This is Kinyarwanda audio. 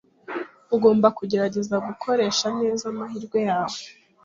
Ugomba kugerageza gukoresha neza amahirwe yawe.